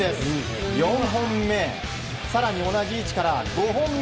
４本目、更に同じ位置から５本目。